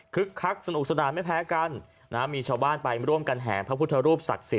คักสนุกสนานไม่แพ้กันนะมีชาวบ้านไปร่วมกันแห่พระพุทธรูปศักดิ์สิท